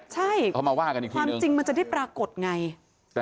ใช่ความจริงมันจะได้ปรากฏไงพอมาว่ากันอีกทีหนึ่ง